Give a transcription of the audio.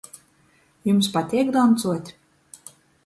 Jums pateik doncuot?